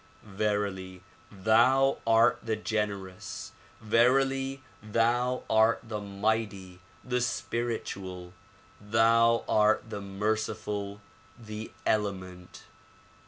Verily thou art the generous! Verily thou art the mighty, the spiritual ! Thou art the merciful, the clement!